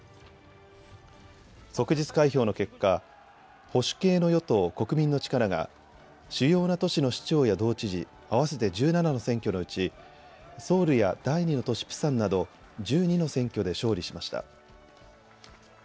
即日開票の結果、保守系の与党、国民の力が主要な都市の市長や道知事、合わせて１７の選挙のうちソウルや第２の都市プサンなど１２の選挙で勝利しました。